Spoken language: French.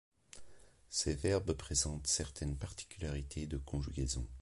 Ces verbes présentent certaines particularités de conjugaison.